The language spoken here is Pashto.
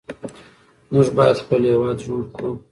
موږ باید خپل هېواد جوړ کړو.